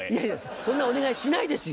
そんなお願いしないですよ。